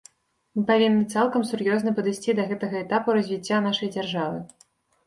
Мы павінны цалкам сур'ёзна падысці да гэтага этапу развіцця нашай дзяржавы.